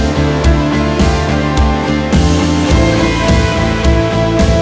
ขอบคุณครับ